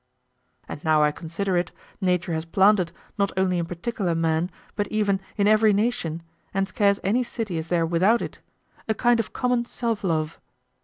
And now I consider it, Nature has planted, not only in particular men but even in every nation, and scarce any city is there without it, a kind of common self love.